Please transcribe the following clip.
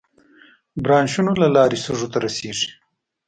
برانشونو له لارې سږو ته رسېږي.